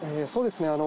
そうですね